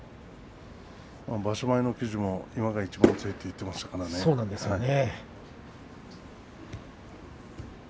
場所前も今がいちばん強いと言っていましたからね。